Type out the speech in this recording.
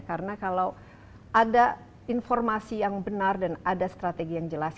karena kalau ada informasi yang benar dan ada strategi yang jelas